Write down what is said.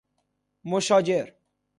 مشاجر